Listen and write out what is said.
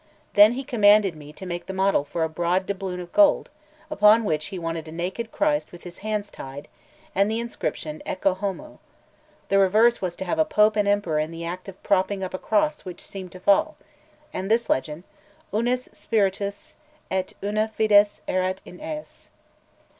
Then he commanded me to make the model for a broad doubloon of gold, upon which he wanted a naked Christ with his hands tied, and the inscription 'Ecce Homo;' the reverse was to have a Pope and Emperor in the act together of propping up a cross which seemed to fall, and this legend: 'Unus spiritus et una fides erat in eis.'